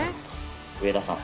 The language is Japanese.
植田さん